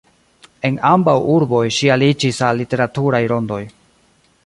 En ambaŭ urboj ŝi aliĝis al literaturaj rondoj.